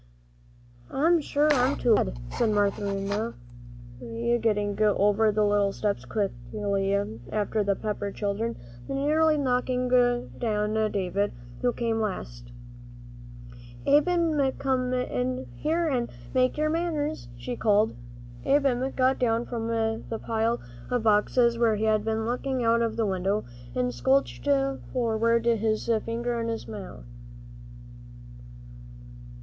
"I'm sure I'm glad to," said Marinthy, getting over the little steps quickly after the Pepper children, and nearly knocking down David, who came last. "Ab'm, come here an' make your manners," she called. Ab'm got down from the pile of boxes where he had been looking out of the window, and slouched forward, his finger in his mouth.